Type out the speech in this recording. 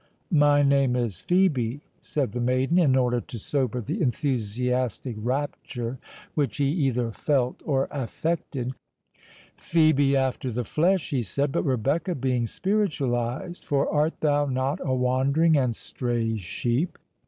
"My name is Phœbe," said the maiden, in order to sober the enthusiastic rapture which he either felt or affected. "Phœbe after the flesh," he said, "but Rebecca being spiritualised; for art thou not a wandering and stray sheep?